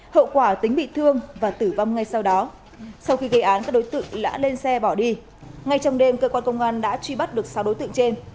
hậu quả tính bị thương và tử vong ngay sau đó sau khi gây án các đối tượng đã lên xe bỏ đi ngay trong đêm cơ quan công an đã truy bắt được sáu đối tượng trên